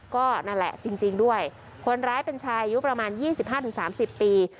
ก็นั่นแหละจริงจริงด้วยคนร้ายเป็นชายุประมาณยี่สิบห้าถึงสามสิบปี